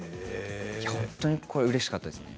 本当にこれはうれしかったですね。